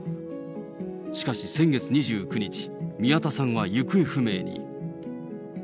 しかし先月２９日、宮田さんは行方不明に。